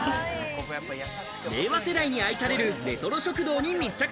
令和世代に愛されるレトロ食堂に密着。